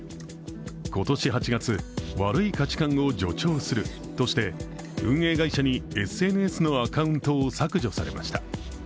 今年８月、悪い価値観を助長するとして運営会社にＳＮＳのアカウントを削除されました。